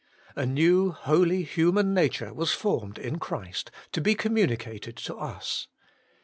A new holy human nature was formed in Christ, to be communicated to us.